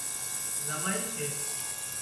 زمائي سي